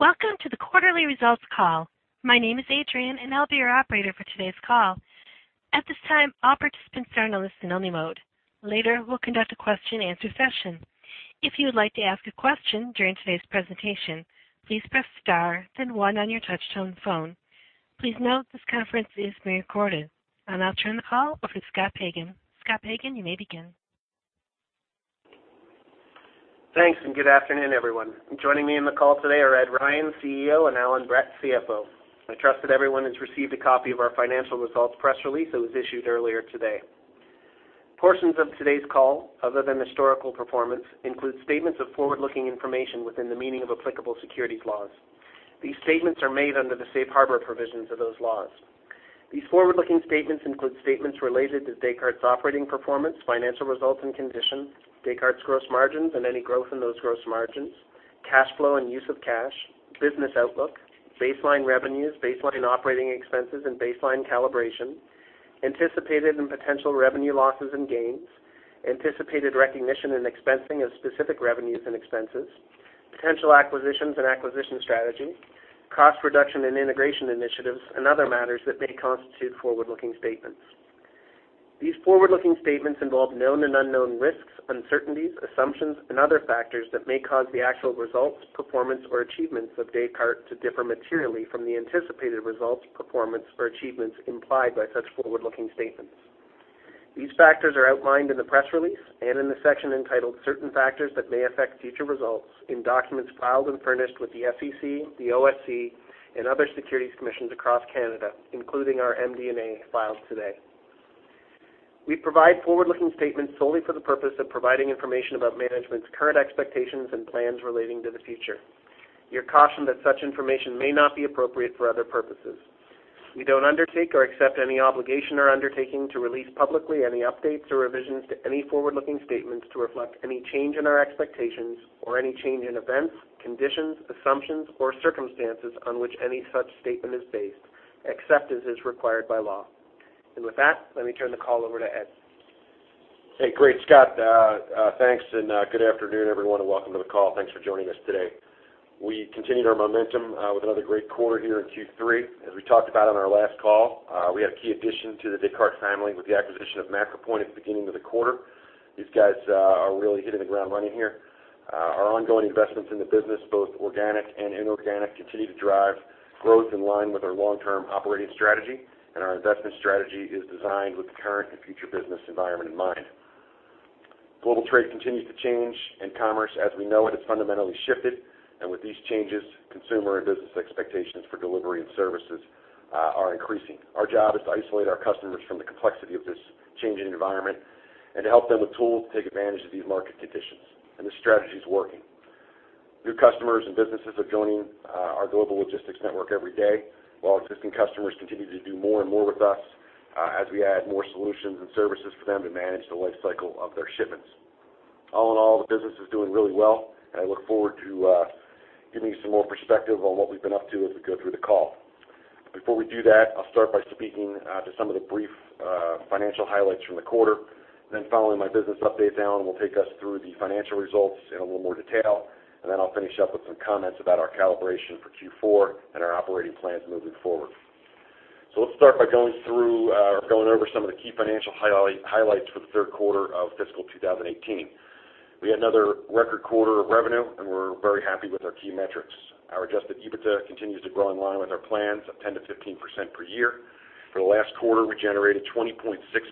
Welcome to the quarterly results call. My name is Adrian. I'll be your operator for today's call. At this time, all participants are on listen-only mode. Later, we'll conduct a question and answer session. If you would like to ask a question during today's presentation, please press star 1 on your touchtone phone. Please note this conference is being recorded. I'll now turn the call over to Scott Pagan. Scott Pagan, you may begin. Thanks. Good afternoon, everyone. Joining me in the call today are Ed Ryan, CEO, and Allan Brett, CFO. I trust that everyone has received a copy of our financial results press release that was issued earlier today. Portions of today's call, other than historical performance, include statements of forward-looking information within the meaning of applicable securities laws. These statements are made under the safe harbor provisions of those laws. These forward-looking statements include statements related to Descartes' operating performance, financial results and conditions, Descartes' gross margins and any growth in those gross margins, cash flow and use of cash, business outlook, baseline revenues, baseline operating expenses, and baseline calibration, anticipated and potential revenue losses and gains, anticipated recognition and expensing of specific revenues and expenses, potential acquisitions and acquisition strategy, cost reduction and integration initiatives, and other matters that may constitute forward-looking statements. These forward-looking statements involve known and unknown risks, uncertainties, assumptions, and other factors that may cause the actual results, performance, or achievements of Descartes to differ materially from the anticipated results, performance, or achievements implied by such forward-looking statements. These factors are outlined in the press release and in the section entitled Certain Factors That May Affect Future Results in documents filed and furnished with the SEC, the OSC, and other securities commissions across Canada, including our MD&A filed today. We provide forward-looking statements solely for the purpose of providing information about management's current expectations and plans relating to the future. You're cautioned that such information may not be appropriate for other purposes. We don't undertake or accept any obligation or undertaking to release publicly any updates or revisions to any forward-looking statements to reflect any change in our expectations or any change in events, conditions, assumptions, or circumstances on which any such statement is based, except as is required by law. With that, let me turn the call over to Ed. Hey, great, Scott. Thanks. Good afternoon, everyone, and welcome to the call. Thanks for joining us today. We continued our momentum with another great quarter here in Q3. As we talked about on our last call, we had a key addition to the Descartes family with the acquisition of MacroPoint at the beginning of the quarter. These guys are really hitting the ground running here. Our ongoing investments in the business, both organic and inorganic, continue to drive growth in line with our long-term operating strategy. Our investment strategy is designed with the current and future business environment in mind. Global trade continues to change. Commerce as we know it has fundamentally shifted. With these changes, consumer and business expectations for delivery and services are increasing. Our job is to isolate our customers from the complexity of this changing environment and to help them with tools to take advantage of these market conditions. This strategy is working. New customers and businesses are joining our Global Logistics Network every day, while existing customers continue to do more and more with us as we add more solutions and services for them to manage the lifecycle of their shipments. All in all, the business is doing really well. I look forward to giving you some more perspective on what we've been up to as we go through the call. Before we do that, I'll start by speaking to some of the brief financial highlights from the quarter. Following my business update, Allan will take us through the financial results in a little more detail. I'll finish up with some comments about our calibration for Q4 and our operating plans moving forward. Let's start by going over some of the key financial highlights for the third quarter of fiscal 2018. We had another record quarter of revenue. We're very happy with our key metrics. Our adjusted EBITDA continues to grow in line with our plans of 10%-15% per year. For the last quarter, we generated 20.6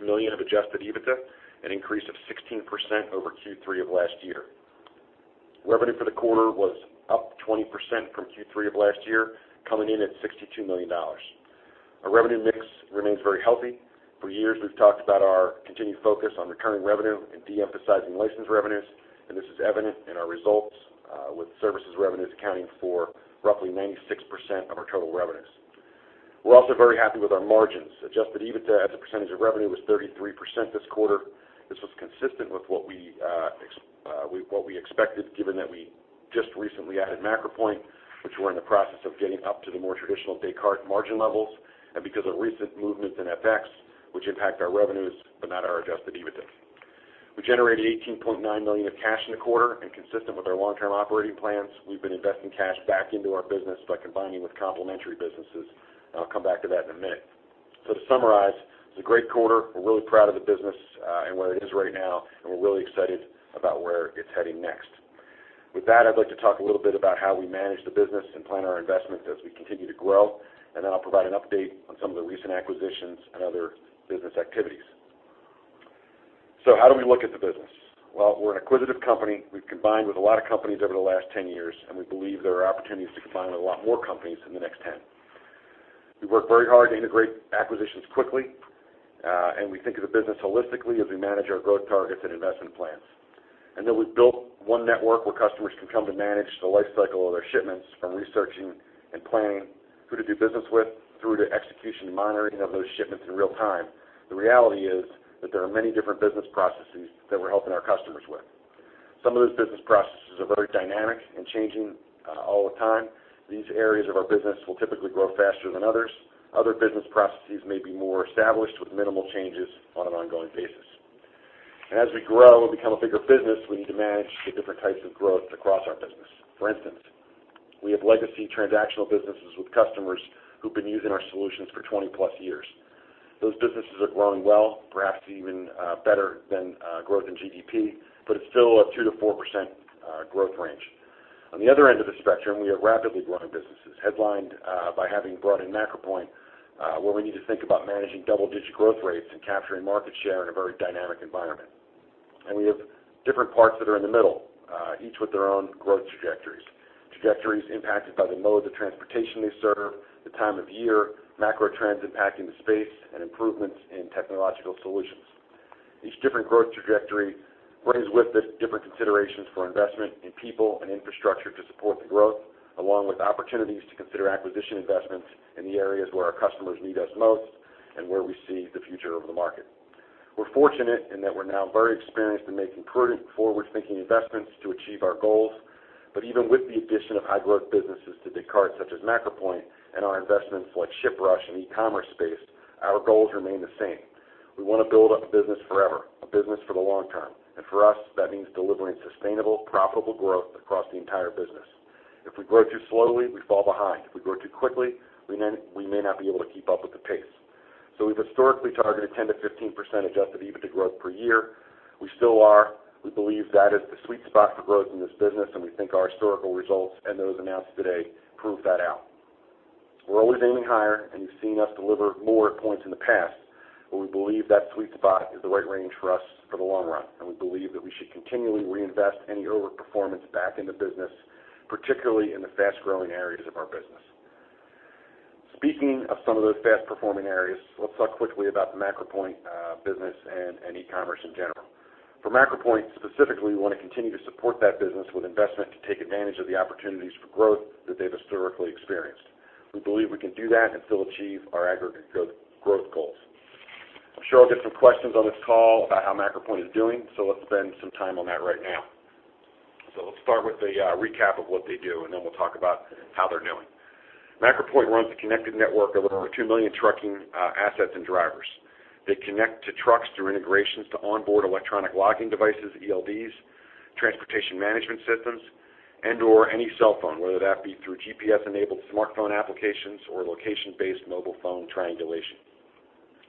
million of adjusted EBITDA, an increase of 16% over Q3 of last year. Revenue for the quarter was up 20% from Q3 of last year, coming in at 62 million dollars. Our revenue mix remains very healthy. For years, we've talked about our continued focus on recurring revenue and de-emphasizing license revenues. This is evident in our results with services revenues accounting for roughly 96% of our total revenues. We're also very happy with our margins. adjusted EBITDA as a percentage of revenue was 33% this quarter. This was consistent with what we expected, given that we just recently added MacroPoint, which we're in the process of getting up to the more traditional Descartes margin levels. Because of recent movements in FX, which impact our revenues but not our adjusted EBITDA. We generated 18.9 million of cash in the quarter. Consistent with our long-term operating plans, we've been investing cash back into our business by combining with complementary businesses. I'll come back to that in a minute. To summarize, it's a great quarter. We're really proud of the business and where it is right now, and we're really excited about where it's heading next. With that, I'd like to talk a little bit about how we manage the business and plan our investments as we continue to grow, and then I'll provide an update on some of the recent acquisitions and other business activities. How do we look at the business? Well, we're an acquisitive company. We've combined with a lot of companies over the last 10 years, and we believe there are opportunities to combine with a lot more companies in the next 10. We work very hard to integrate acquisitions quickly, and we think of the business holistically as we manage our growth targets and investment plans. Though we've built one network where customers can come to manage the lifecycle of their shipments from researching and planning who to do business with through to execution and monitoring of those shipments in real time. The reality is that there are many different business processes that we're helping our customers with. Some of those business processes are very dynamic and changing all the time. These areas of our business will typically grow faster than others. Other business processes may be more established with minimal changes on an ongoing basis. As we grow and become a bigger business, we need to manage the different types of growth across our business. For instance, we have legacy transactional businesses with customers who've been using our solutions for 20-plus years. Those businesses are growing well, perhaps even better than growth in GDP, but it's still a 2%-4% growth range. On the other end of the spectrum, we have rapidly growing businesses headlined by having brought in MacroPoint, where we need to think about managing double-digit growth rates and capturing market share in a very dynamic environment. We have different parts that are in the middle, each with their own growth trajectories. Trajectories impacted by the mode of transportation they serve, the time of year, macro trends impacting the space, and improvements in technological solutions. Each different growth trajectory brings with it different considerations for investment in people and infrastructure to support the growth, along with opportunities to consider acquisition investments in the areas where our customers need us most and where we see the future of the market. We're fortunate in that we're now very experienced in making prudent, forward-thinking investments to achieve our goals. Even with the addition of high-growth businesses to Descartes such as MacroPoint and our investments like ShipRush and e-commerce space, our goals remain the same. We want to build a business forever, a business for the long term, and for us, that means delivering sustainable, profitable growth across the entire business. If we grow too slowly, we fall behind. If we grow too quickly, we may not be able to keep up with the pace. We've historically targeted 10%-15% adjusted EBITDA growth per year. We still are. We believe that is the sweet spot for growth in this business, and we think our historical results and those announced today prove that out. We're always aiming higher. You've seen us deliver more at points in the past, but we believe that sweet spot is the right range for us for the long run. We believe that we should continually reinvest any over-performance back in the business, particularly in the fast-growing areas of our business. Speaking of some of those fast-performing areas, let's talk quickly about the MacroPoint business and e-commerce in general. For MacroPoint specifically, we want to continue to support that business with investment to take advantage of the opportunities for growth that they've historically experienced. We believe we can do that and still achieve our aggregate growth goals. I'm sure I'll get some questions on this call about how MacroPoint is doing. Let's spend some time on that right now. Let's start with a recap of what they do, and then we'll talk about how they're doing. MacroPoint runs a connected network of over 2 million trucking assets and drivers. They connect to trucks through integrations to onboard electronic logging devices, ELDs, transportation management systems, and/or any cell phone, whether that be through GPS-enabled smartphone applications or location-based mobile phone triangulation.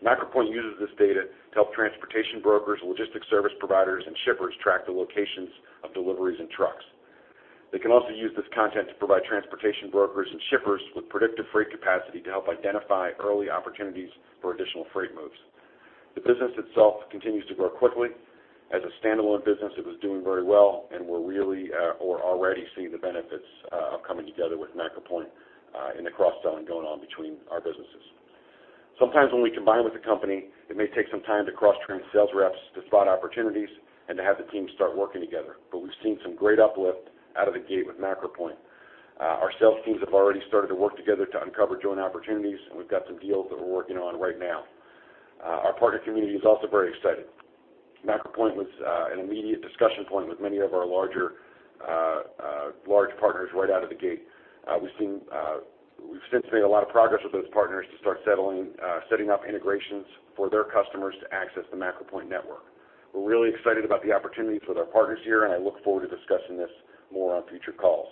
MacroPoint uses this data to help transportation brokers, logistics service providers, and shippers track the locations of deliveries and trucks. They can also use this content to provide transportation brokers and shippers with predictive freight capacity to help identify early opportunities for additional freight moves. The business itself continues to grow quickly. As a standalone business, it was doing very well. We're already seeing the benefits of coming together with MacroPoint in the cross-selling going on between our businesses. Sometimes when we combine with a company, it may take some time to cross-train sales reps to spot opportunities and to have the teams start working together. We've seen some great uplift out of the gate with MacroPoint. Our sales teams have already started to work together to uncover joint opportunities. We've got some deals that we're working on right now. Our partner community is also very excited. MacroPoint was an immediate discussion point with many of our large partners right out of the gate. We've since made a lot of progress with those partners to start setting up integrations for their customers to access the MacroPoint network. We're really excited about the opportunities with our partners here. I look forward to discussing this more on future calls.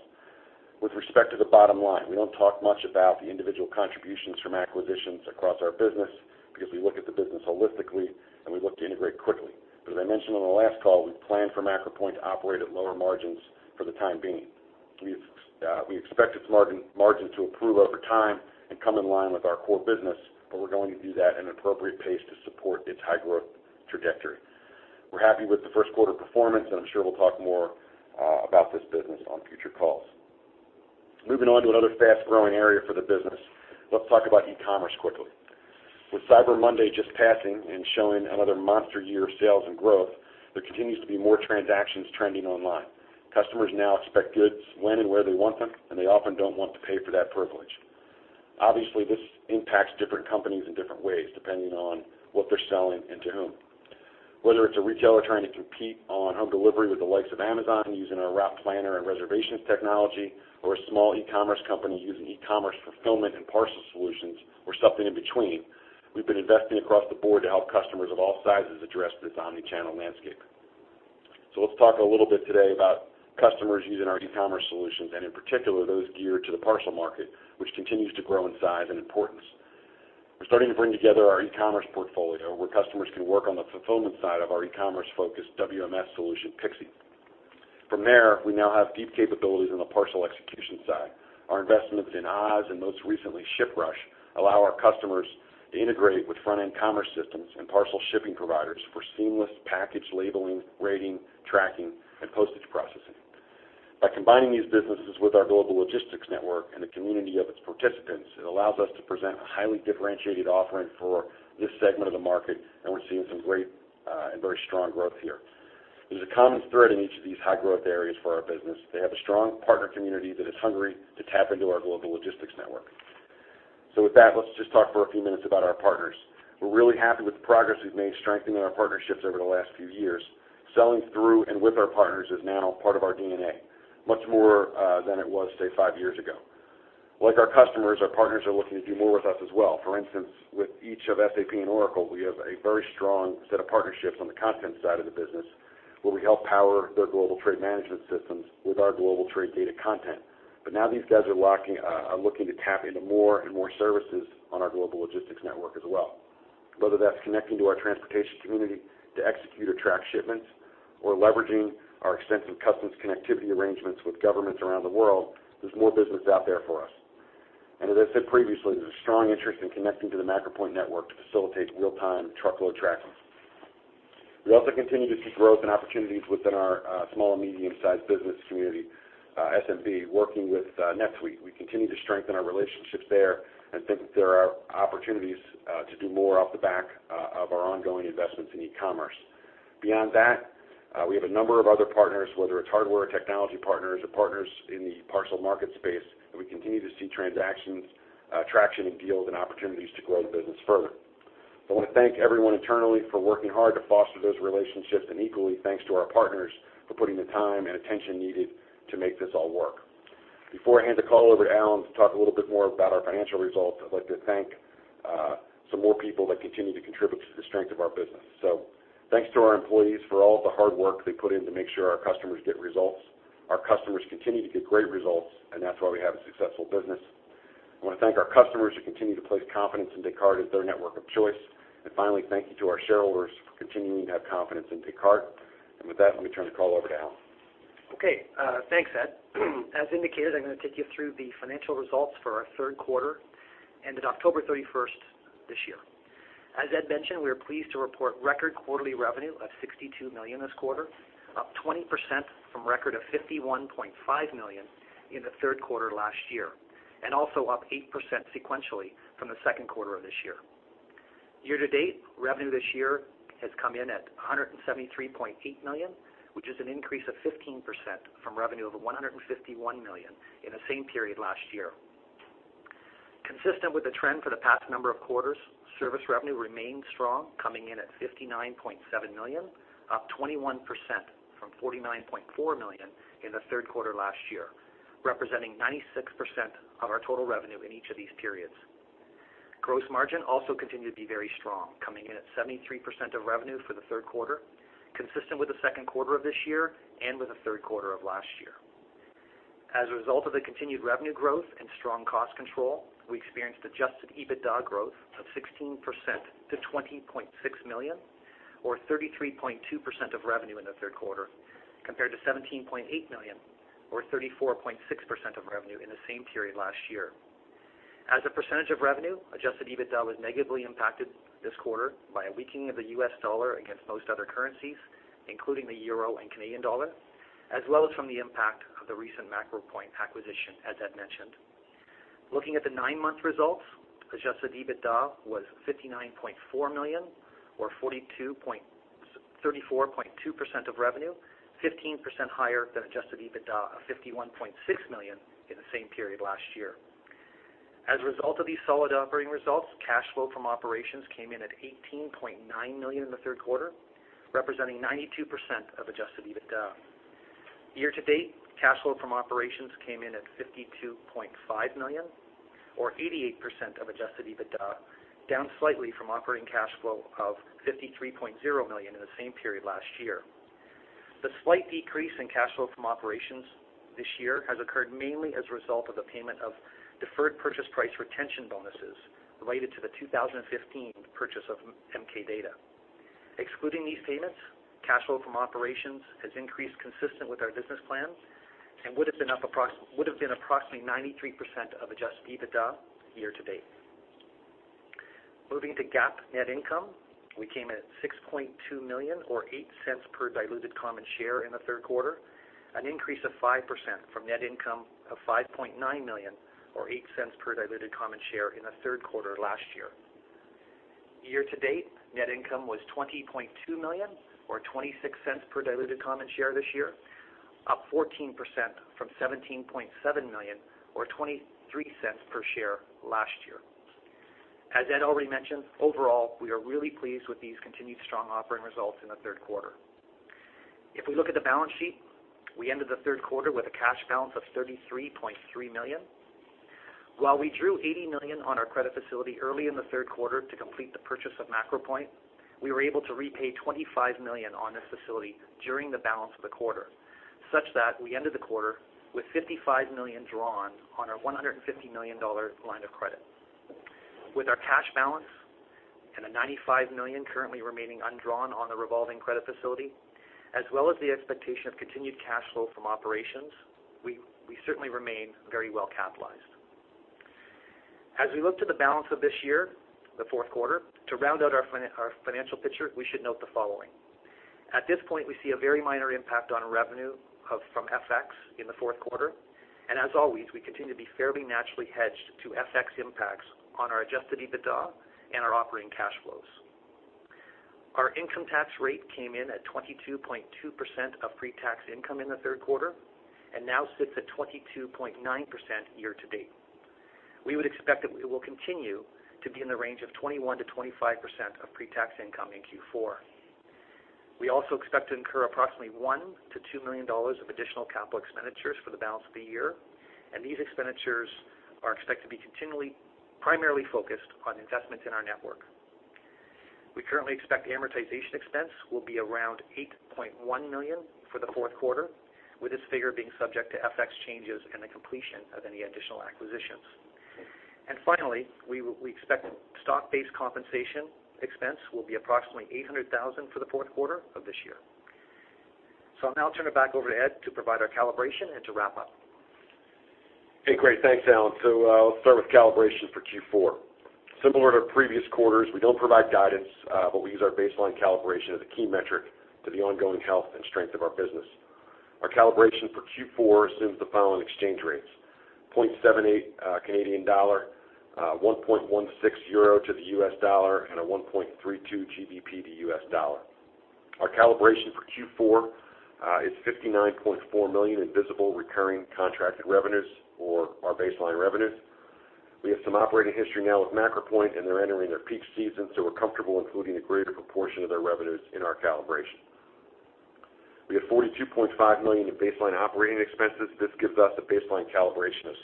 With respect to the bottom line, we don't talk much about the individual contributions from acquisitions across our business because we look at the business holistically. We look to integrate quickly. As I mentioned on the last call, we plan for MacroPoint to operate at lower margins for the time being. We expect its margin to improve over time and come in line with our core business. We're going to do that at an appropriate pace to support its high growth trajectory. We're happy with the first quarter performance. I'm sure we'll talk more about this business on future calls. Moving on to another fast-growing area for the business. Let's talk about e-commerce quickly. With Cyber Monday just passing and showing another monster year of sales and growth, there continues to be more transactions trending online. Customers now expect goods when and where they want them, they often don't want to pay for that privilege. Obviously, this impacts different companies in different ways, depending on what they're selling and to whom. Whether it's a retailer trying to compete on home delivery with the likes of Amazon using our route planner and reservations technology or a small e-commerce company using e-commerce fulfillment and parcel solutions or something in between, we've been investing across the board to help customers of all sizes address this omni-channel landscape. Let's talk a little bit today about customers using our e-commerce solutions, and in particular, those geared to the parcel market, which continues to grow in size and importance. We're starting to bring together our e-commerce portfolio, where customers can work on the fulfillment side of our e-commerce-focused WMS solution, pixi. From there, we now have deep capabilities on the parcel execution side. Our investments in Oz, and most recently ShipRush, allow our customers to integrate with front-end commerce systems and parcel shipping providers for seamless package labeling, rating, tracking, and postage processing. By combining these businesses with our Global Logistics Network and the community of its participants, it allows us to present a highly differentiated offering for this segment of the market, we're seeing some great and very strong growth here. There's a common thread in each of these high-growth areas for our business. They have a strong partner community that is hungry to tap into our Global Logistics Network. With that, let's just talk for a few minutes about our partners. We're really happy with the progress we've made strengthening our partnerships over the last few years. Selling through and with our partners is now part of our DNA, much more than it was, say, five years ago. Like our customers, our partners are looking to do more with us as well. For instance, with each of SAP and Oracle, we have a very strong set of partnerships on the content side of the business, where we help power their global trade management systems with our global trade data content. Now these guys are looking to tap into more and more services on our Global Logistics Network as well. Whether that's connecting to our transportation community to execute or track shipments, or leveraging our extensive customs connectivity arrangements with governments around the world, there's more business out there for us. As I said previously, there's a strong interest in connecting to the MacroPoint network to facilitate real-time truckload tracking. We also continue to see growth and opportunities within our small and medium-sized business community, SMB, working with NetSuite. We continue to strengthen our relationships there and think that there are opportunities to do more off the back of our ongoing investments in e-commerce. Beyond that, we have a number of other partners, whether it's hardware technology partners or partners in the parcel market space, we continue to see traction in deals and opportunities to grow the business further. I want to thank everyone internally for working hard to foster those relationships, and equally, thanks to our partners for putting the time and attention needed to make this all work. Before I hand the call over to Allan to talk a little bit more about our financial results, I'd like to thank some more people that continue to contribute to the strength of our business. Thanks to our employees for all of the hard work they put in to make sure our customers get results. Our customers continue to get great results, and that's why we have a successful business. I want to thank our customers who continue to place confidence in Descartes as their network of choice. Finally, thank you to our shareholders for continuing to have confidence in Descartes. With that, let me turn the call over to Allan. Okay, thanks, Ed. As indicated, I'm going to take you through the financial results for our third quarter, ended October 31st this year. As Ed mentioned, we are pleased to report record quarterly revenue of 62 million this quarter, up 20% from record of 51.5 million in the third quarter last year, and also up 8% sequentially from the second quarter of this year. Year-to-date, revenue this year has come in at 173.8 million, which is an increase of 15% from revenue of 151 million in the same period last year. Consistent with the trend for the past number of quarters, service revenue remained strong, coming in at 59.7 million, up 21% from 49.4 million in the third quarter last year, representing 96% of our total revenue in each of these periods. Gross margin also continued to be very strong, coming in at 73% of revenue for the third quarter, consistent with the second quarter of this year and with the third quarter of last year. As a result of the continued revenue growth and strong cost control, we experienced adjusted EBITDA growth of 16% to 20.6 million or 33.2% of revenue in the third quarter, compared to 17.8 million or 34.6% of revenue in the same period last year. As a percentage of revenue, adjusted EBITDA was negatively impacted this quarter by a weakening of the U.S. dollar against most other currencies, including the euro and Canadian dollar, as well as from the impact of the recent MacroPoint acquisition, as Ed mentioned. Looking at the nine-month results, adjusted EBITDA was 59.4 million or 34.2% of revenue, 15% higher than adjusted EBITDA of 51.6 million in the same period last year. As a result of these solid operating results, cash flow from operations came in at 18.9 million in the third quarter, representing 92% of adjusted EBITDA. Year-to-date, cash flow from operations came in at 52.5 million or 88% of adjusted EBITDA, down slightly from operating cash flow of 53.0 million in the same period last year. The slight decrease in cash flow from operations this year has occurred mainly as a result of the payment of deferred purchase price retention bonuses related to the 2015 purchase of MK Data. Excluding these payments, cash flow from operations has increased consistent with our business plans and would've been approximately 93% of adjusted EBITDA year-to-date. Moving to GAAP net income, we came in at 6.2 million or 0.08 per diluted common share in the third quarter, an increase of 5% from net income of 5.9 million or 0.08 per diluted common share in the third quarter last year. Year to date, net income was 20.2 million or 0.26 per diluted common share this year, up 14% from 17.7 million or 0.23 per share last year. As Ed already mentioned, overall, we are really pleased with these continued strong operating results in the third quarter. If we look at the balance sheet, we ended the third quarter with a cash balance of 33.3 million. While we drew 80 million on our credit facility early in the third quarter to complete the purchase of MacroPoint, we were able to repay 25 million on this facility during the balance of the quarter, such that we ended the quarter with 55 million drawn on our 150 million dollar line of credit. With our cash balance and the 95 million currently remaining undrawn on the revolving credit facility, as well as the expectation of continued cash flow from operations, we certainly remain very well capitalized. As we look to the balance of this year, the fourth quarter, to round out our financial picture, we should note the following. At this point, we see a very minor impact on revenue from FX in the fourth quarter, as always, we continue to be fairly naturally hedged to FX impacts on our adjusted EBITDA and our operating cash flows. Our income tax rate came in at 22.2% of pre-tax income in the third quarter and now sits at 22.9% year to date. We would expect that we will continue to be in the range of 21%-25% of pre-tax income in Q4. We also expect to incur approximately 1 million-2 million dollars of additional capital expenditures for the balance of the year. These expenditures are expected to be continually primarily focused on investments in our network. We currently expect the amortization expense will be around 8.1 million for the fourth quarter, with this figure being subject to FX changes and the completion of any additional acquisitions. Finally, we expect stock-based compensation expense will be approximately 800,000 for the fourth quarter of this year. I'll now turn it back over to Ed to provide our calibration and to wrap up. Great. Thanks, Allan. I'll start with calibration for Q4. Similar to previous quarters, we don't provide guidance, but we use our baseline calibration as a key metric to the ongoing health and strength of our business. Our calibration for Q4 assumes the following exchange rates: 0.78 Canadian dollar, 1.16 euro to the US dollar, and 1.32 GBP to US dollar. Our calibration for Q4 is $59.4 million in visible recurring contracted revenues or our baseline revenues. We have some operating history now with MacroPoint, and they're entering their peak season, so we're comfortable including a greater proportion of their revenues in our calibration. We have $42.5 million in baseline operating expenses. This gives us a baseline calibration of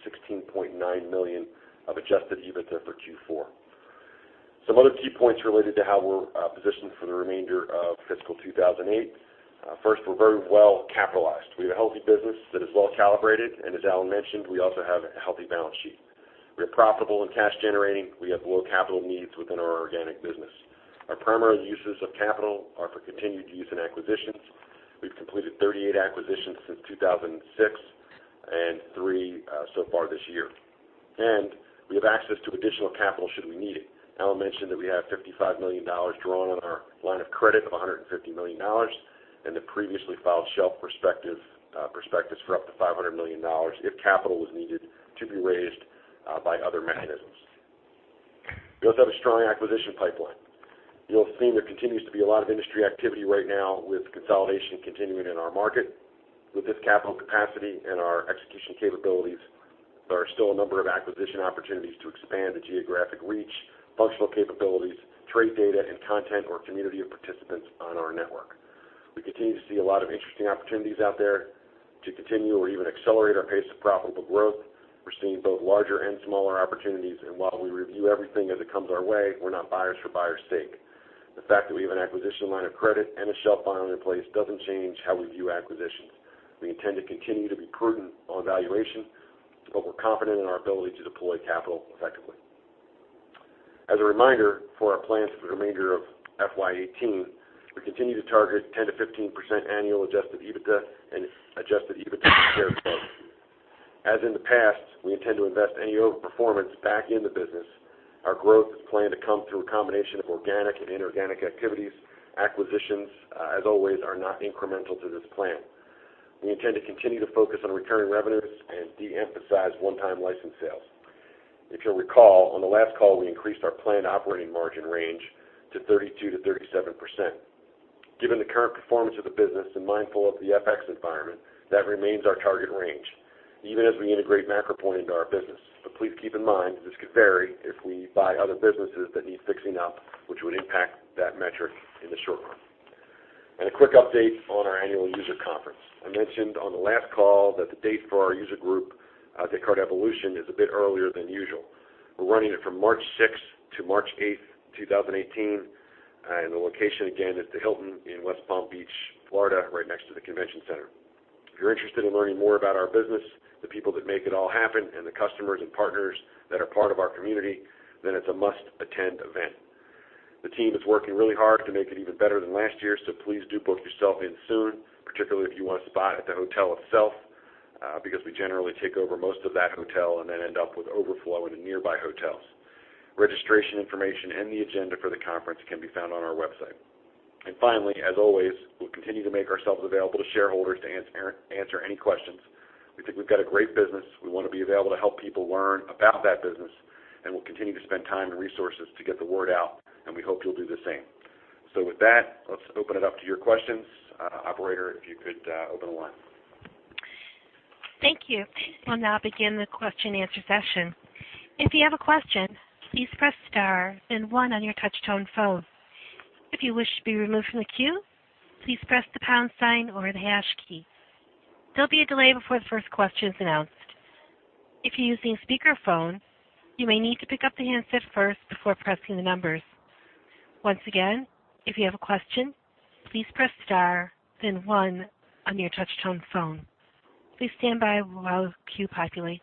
$16.9 million of adjusted EBITDA for Q4. Some other key points related to how we're positioned for the remainder of fiscal 2018. First, we're very well capitalized. We have a healthy business that is well calibrated, as Allan mentioned, we also have a healthy balance sheet. We are profitable and cash generating. We have low capital needs within our organic business. Our primary uses of capital are for continued use in acquisitions. We've completed 38 acquisitions since 2006 and three so far this year. We have access to additional capital should we need it. Allan mentioned that we have $55 million drawn on our line of credit of $150 million and the previously filed shelf prospectus for up to $500 million if capital was needed to be raised by other mechanisms. We also have a strong acquisition pipeline. You'll have seen there continues to be a lot of industry activity right now with consolidation continuing in our market. With this capital capacity and our execution capabilities, there are still a number of acquisition opportunities to expand the geographic reach, functional capabilities, trade data, and content or community of participants on our network. We continue to see a lot of interesting opportunities out there to continue or even accelerate our pace of profitable growth. We're seeing both larger and smaller opportunities, and while we review everything as it comes our way, we're not buyers for buyers' sake. The fact that we have an acquisition line of credit and a shelf filing in place doesn't change how we view acquisitions. We intend to continue to be prudent on valuation, but we're confident in our ability to deploy capital effectively. As a reminder, for our plans for the remainder of FY 2018, we continue to target 10%-15% annual adjusted EBITDA and adjusted EBITDA compared to growth. As in the past, we intend to invest any over-performance back in the business. Our growth is planned to come through a combination of organic and inorganic activities. Acquisitions, as always, are not incremental to this plan. We intend to continue to focus on recurring revenues and de-emphasize one-time license sales. If you'll recall, on the last call, we increased our planned operating margin range to 32%-37%. Given the current performance of the business and mindful of the FX environment, that remains our target range, even as we integrate MacroPoint into our business. Please keep in mind, this could vary if we buy other businesses that need fixing up, which would impact that metric in the short run. A quick update on our annual user conference. I mentioned on the last call that the date for our user group, Descartes Evolution, is a bit earlier than usual. We're running it from March 6th to March 8th, 2018, and the location, again, is the Hilton in West Palm Beach, Florida, right next to the convention center. If you're interested in learning more about our business, the people that make it all happen, and the customers and partners that are part of our community, then it's a must-attend event. The team is working really hard to make it even better than last year. Please do book yourself in soon, particularly if you want a spot at the hotel itself, because we generally take over most of that hotel and then end up with overflow into nearby hotels. Registration information and the agenda for the conference can be found on our website. Finally, as always, we'll continue to make ourselves available to shareholders to answer any questions. We think we've got a great business. We want to be available to help people learn about that business. We'll continue to spend time and resources to get the word out, and we hope you'll do the same. With that, let's open it up to your questions. Operator, if you could open the line. Thank you. We'll now begin the question and answer session. If you have a question, please press star then one on your touch-tone phone. If you wish to be removed from the queue, please press the pound sign or the hash key. There'll be a delay before the first question is announced. If you're using speakerphone, you may need to pick up the handset first before pressing the numbers. Once again, if you have a question, please press star then one on your touch-tone phone. Please stand by while the queue populates.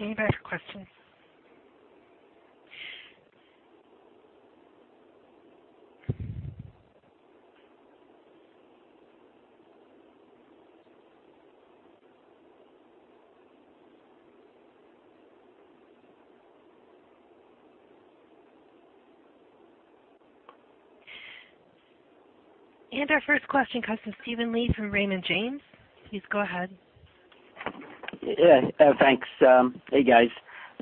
Anybody have a question? Our first question comes from Steven Li from Raymond James. Please go ahead. Yeah. Thanks. Hey, guys.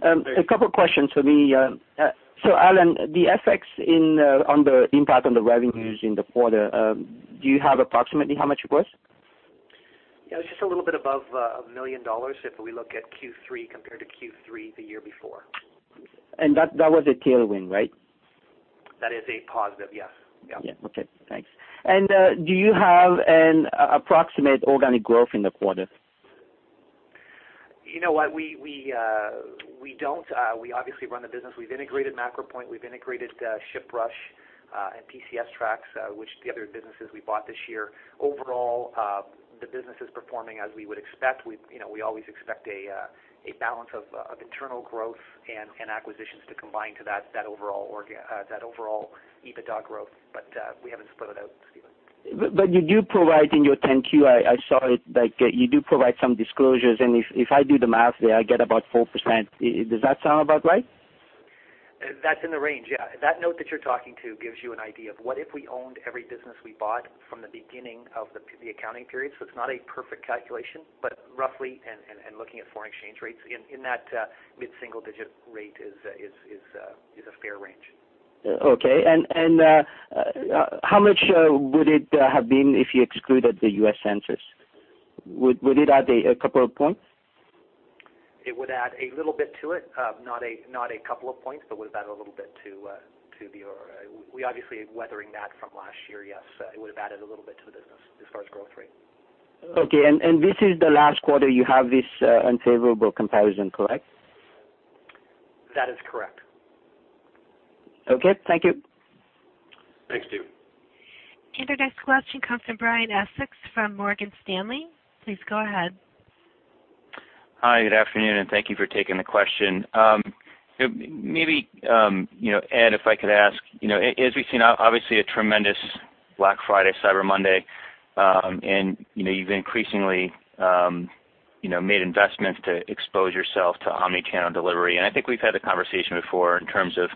A couple questions for me. Allan, the FX on the impact on the revenues in the quarter, do you have approximately how much it was? Yeah. It's just a little bit above 1 million dollars if we look at Q3 compared to Q3 the year before. That was a tailwind, right? That is a positive, yes. Yeah. Okay, thanks. Do you have an approximate organic growth in the quarter? You know what? We don't. We obviously run the business. We've integrated MacroPoint, we've integrated ShipRush, and PCSTrac, which the other businesses we bought this year. Overall, the business is performing as we would expect. We always expect a balance of internal growth and acquisitions to combine to that overall EBITDA growth. We haven't split it out, Steven. You do provide in your 10-Q, I saw it, like you do provide some disclosures, and if I do the math there, I get about 4%. Does that sound about right? That's in the range, yeah. That note that you're talking to gives you an idea of what if we owned every business we bought from the beginning of the accounting period. It's not a perfect calculation, but roughly, and looking at foreign exchange rates in that mid-single-digit rate is a fair range. Okay. How much would it have been if you excluded the U.S. Census? Would it add a couple of points? It would add a little bit to it. Not a couple of points, but would add a little bit to the overall. We obviously are weathering that from last year. Yes, it would have added a little bit to the business as far as growth rate. Okay. This is the last quarter you have this unfavorable comparison, correct? That is correct. Okay, thank you. Thanks, Steven. Our next question comes from Brian Essex from Morgan Stanley. Please go ahead. Hi, good afternoon, thank you for taking the question. Maybe, Ed, if I could ask, as we've seen, obviously, a tremendous Black Friday, Cyber Monday, you've increasingly made investments to expose yourself to omni-channel delivery. I think we've had the conversation before in terms of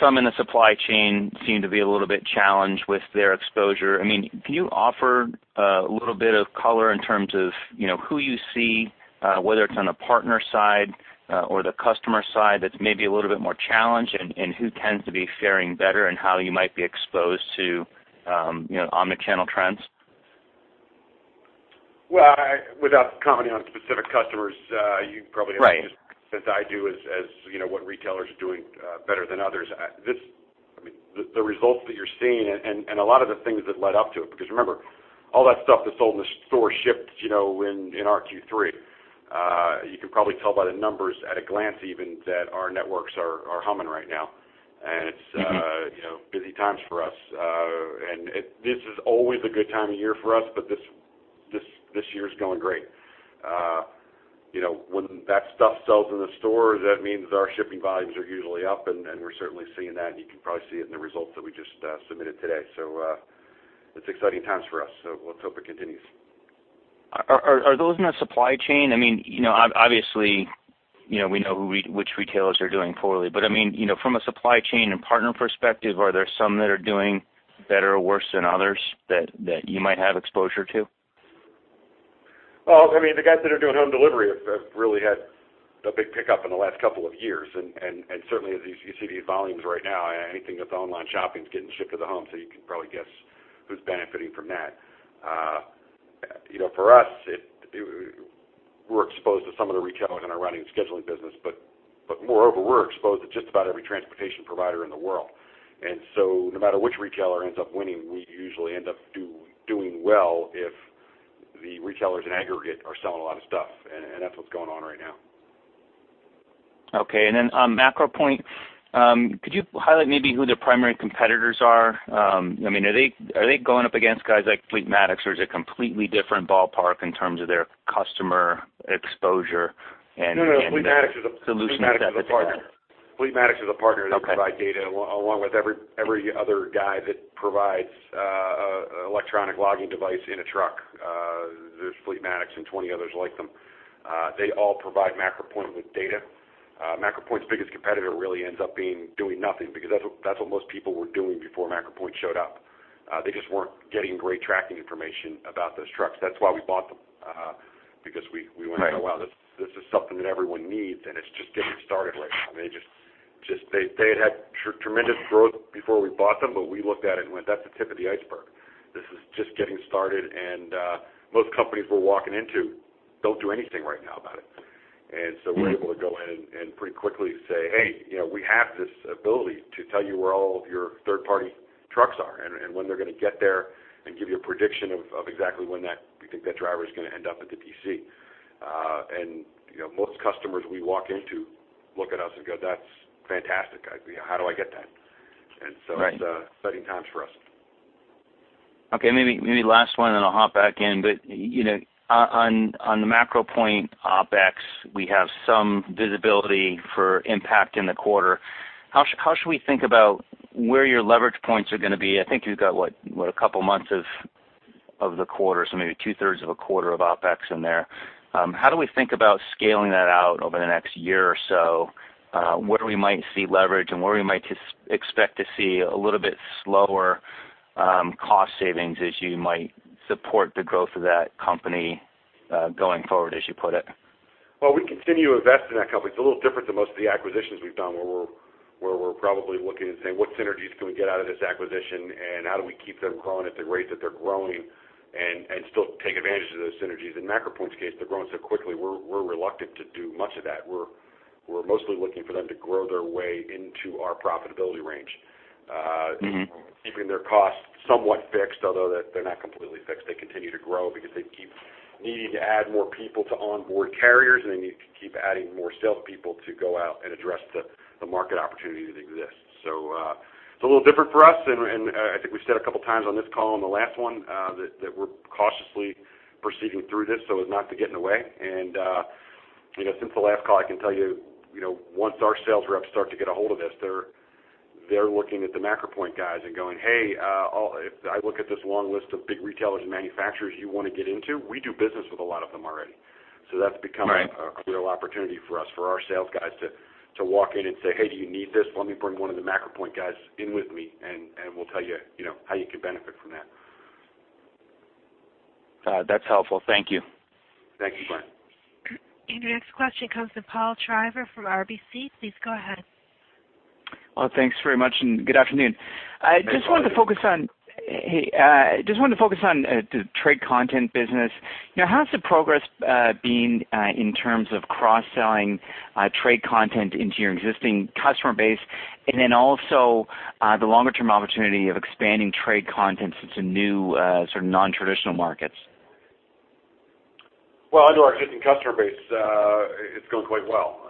some in the supply chain seem to be a little bit challenged with their exposure. Can you offer a little bit of color in terms of who you see, whether it's on the partner side or the customer side that's maybe a little bit more challenged, and who tends to be faring better and how you might be exposed to omni-channel trends? Well, without commenting on specific customers, you can probably- Right as I do as what retailers are doing better than others. The results that you're seeing and a lot of the things that led up to it, because remember, all that stuff that's sold in the store shipped in our Q3. You can probably tell by the numbers at a glance even that our networks are humming right now. It's busy times for us. This is always a good time of year for us, but this year's going great. When that stuff sells in the stores, that means our shipping volumes are usually up, and we're certainly seeing that, and you can probably see it in the results that we just submitted today. It's exciting times for us, so let's hope it continues. Are those in the supply chain? Obviously, we know which retailers are doing poorly, but from a supply chain and partner perspective, are there some that are doing better or worse than others that you might have exposure to? Well, the guys that are doing home delivery have really had a big pickup in the last couple of years, and certainly as you see these volumes right now, anything that's online shopping is getting shipped to the home, so you can probably guess who's benefiting from that. For us, we're exposed to some of the retailers in our routing and scheduling business, but moreover, we're exposed to just about every transportation provider in the world. No matter which retailer ends up winning, we usually end up doing well if the retailers in aggregate are selling a lot of stuff, and that's what's going on right now. On MacroPoint, could you highlight maybe who their primary competitors are? Are they going up against guys like Fleetmatics, or is it a completely different ballpark in terms of their customer exposure? No. Fleetmatics is a partner. Fleetmatics is a partner that provides data along with every other guy that provides electronic logging device in a truck. There are 20 others like them. They all provide MacroPoint with data. MacroPoint's biggest competitor really ends up being doing nothing because that's what most people were doing before MacroPoint showed up. They just weren't getting great tracking information about those trucks. That's why we bought them, because we went, "Oh, wow, this is something that everyone needs, and it's just getting started right now." They had had tremendous growth before we bought them, but we looked at it and went, "That's the tip of the iceberg." This is just getting started, and most companies we're walking into don't do anything right now about it. We're able to go in and pretty quickly say, "Hey, we have this ability to tell you where all of your third-party trucks are and when they're going to get there and give you a prediction of exactly when that we think that driver's going to end up at the DC." Most customers we walk into look at us and go, "That's fantastic. How do I get that?" It's exciting times for us. Okay, maybe last one, and then I'll hop back in. On the MacroPoint OpEx, we have some visibility for impact in the quarter. How should we think about where your leverage points are going to be? I think you've got what, a couple of months of the quarter, so maybe two thirds of a quarter of OpEx in there. How do we think about scaling that out over the next year or so, where we might see leverage and where we might expect to see a little bit slower cost savings as you might support the growth of that company going forward, as you put it? Well, we continue to invest in that company. It's a little different than most of the acquisitions we've done where we're probably looking and saying, "What synergies can we get out of this acquisition, and how do we keep them growing at the rates that they're growing and still take advantage of those synergies?" In MacroPoint's case, they're growing so quickly, we're reluctant to do much of that. We're mostly looking for them to grow their way into our profitability range. Keeping their costs somewhat fixed, although they're not completely fixed. They continue to grow because they keep needing to add more people to onboard carriers, and they need to keep adding more salespeople to go out and address the market opportunity that exists. It's a little different for us, and I think we've said a couple of times on this call and the last one that we're cautiously proceeding through this so as not to get in the way. Since the last call, I can tell you, once our sales reps start to get a hold of this, they're looking at the MacroPoint guys and going, "Hey, if I look at this long list of big retailers and manufacturers you want to get into, we do business with a lot of them already." That's become- Right a real opportunity for us, for our sales guys to walk in and say, "Hey, do you need this? Let me bring one of the MacroPoint guys in with me, and we'll tell you how you can benefit from that. That's helpful. Thank you. Thank you, Brian. Your next question comes from Paul Treiber from RBC. Please go ahead. Thanks very much, and good afternoon. Hey, Paul. Just wanted to focus on the trade content business. How has the progress been in terms of cross-selling trade content into your existing customer base, and then also the longer-term opportunity of expanding trade content into new, non-traditional markets? Well, under our existing customer base, it's going quite well.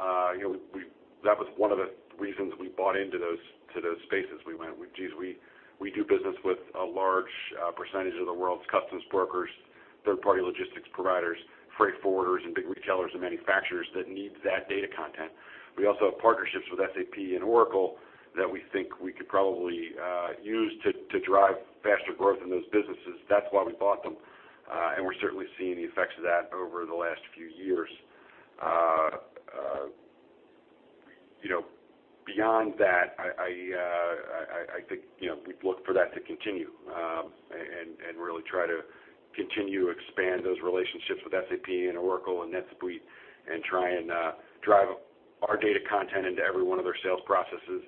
That was one of the reasons we bought into those spaces. We went, "Geez, we do business with a large percentage of the world's customs brokers, third-party logistics providers, freight forwarders, and big retailers and manufacturers that need that data content." We also have partnerships with SAP and Oracle that we think we could probably use to drive faster growth in those businesses. That's why we bought them. We're certainly seeing the effects of that over the last few years. Beyond that, I think we look for that to continue, and really try to continue to expand those relationships with SAP and Oracle and NetSuite, and try and drive our data content into every one of their sales processes.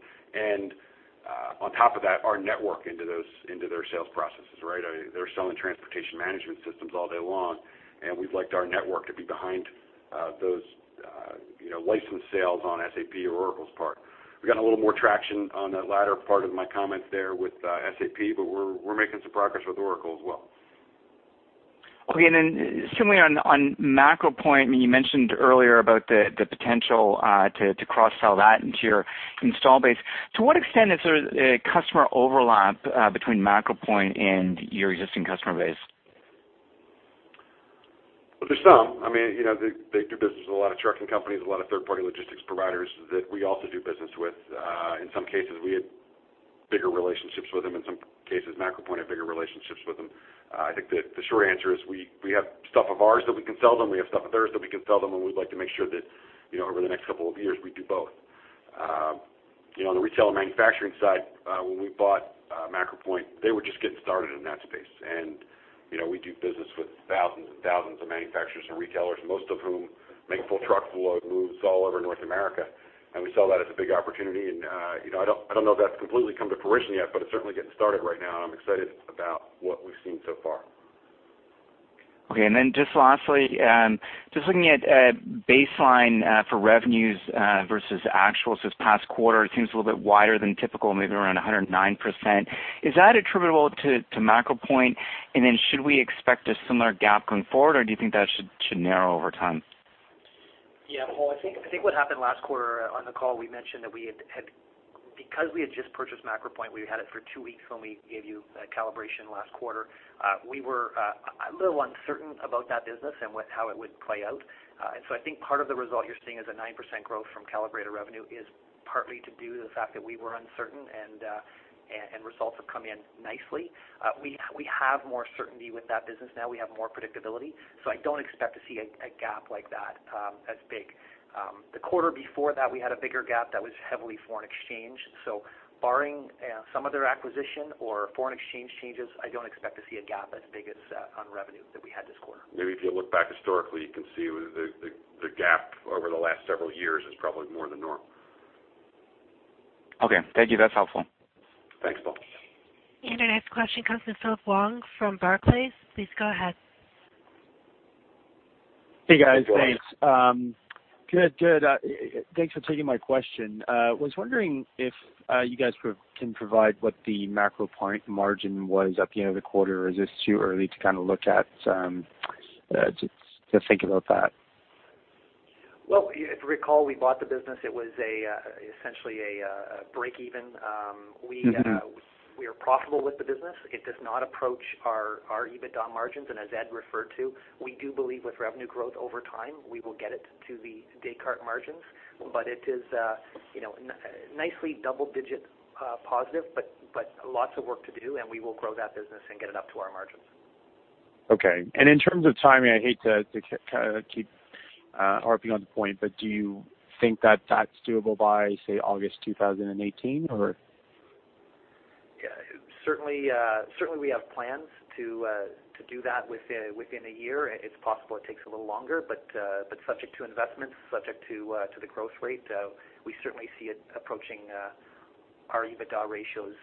On top of that, our network into their sales processes. They're selling transportation management systems all day long. We'd like our network to be behind those license sales on SAP or Oracle's part. We've got a little more traction on that latter part of my comments there with SAP. We're making some progress with Oracle as well. Okay, similarly on MacroPoint, you mentioned earlier about the potential to cross-sell that into your install base. To what extent is there a customer overlap between MacroPoint and your existing customer base? Well, there's some. They do business with a lot of trucking companies, a lot of third-party logistics providers that we also do business with. In some cases, we have bigger relationships with them. In some cases, MacroPoint have bigger relationships with them. I think the short answer is we have stuff of ours that we can sell them, we have stuff of theirs that we can sell them. We'd like to make sure that over the next couple of years, we do both. On the retail and manufacturing side, when we bought MacroPoint, they were just getting started in that space. We do business with thousands and thousands of manufacturers and retailers, most of whom make full truckload moves all over North America. We saw that as a big opportunity. I do not know if that's completely come to fruition yet, but it's certainly getting started right now, and I'm excited about what we've seen so far. Just lastly, just looking at baseline for revenues versus actuals this past quarter, it seems a little bit wider than typical, maybe around 109%. Is that attributable to MacroPoint? Should we expect a similar gap going forward, or do you think that should narrow over time? Paul, I think what happened last quarter on the call, we mentioned that because we had just purchased MacroPoint, we had it for two weeks when we gave you calibration last quarter. We were a little uncertain about that business and how it would play out. I think part of the result you're seeing is a 9% growth from calibrated revenue is partly to do with the fact that we were uncertain and results have come in nicely. We have more certainty with that business now. We have more predictability. I don't expect to see a gap like that as big. The quarter before that, we had a bigger gap that was heavily foreign exchange. Barring some other acquisition or foreign exchange changes, I don't expect to see a gap as big on revenue that we had this quarter. Maybe if you look back historically, you can see the gap over the last several years is probably more than normal. Okay. Thank you. That's helpful. Thanks, Paul. Our next question comes from Philip Wong from Barclays. Please go ahead. Hey, guys. Thanks. Hey, Philip. Good. Thanks for taking my question. I was wondering if you guys can provide what the MacroPoint margin was at the end of the quarter, or is this too early to look at to think about that? Well, if you recall, we bought the business, it was essentially a break-even. We are profitable with the business. It does not approach our EBITDA margins. As Ed referred to, we do believe with revenue growth over time, we will get it to the Descartes margins. It is nicely double-digit positive, but lots of work to do, and we will grow that business and get it up to our margins. Okay. In terms of timing, I hate to keep harping on the point, but do you think that's doable by, say, August 2018, or? Certainly we have plans to do that within one year. It's possible it takes a little longer, but subject to investments, subject to the growth rate. We certainly see it approaching our EBITDA ratios